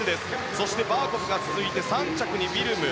そしてバーコフが続いて３着にウィルム。